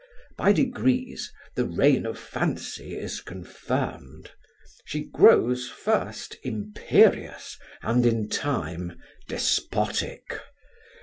By degrees the reign of fancy is confirmed; she grows first imperious and in time despotic.